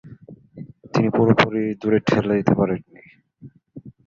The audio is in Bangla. তিনি পুরোপুরি দূরে ঠেলে দিতে পারেননি।